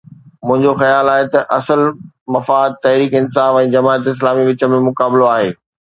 منهنجو خيال آهي ته اصل مفاد تحريڪ انصاف ۽ جماعت اسلامي وچ ۾ مقابلو آهي.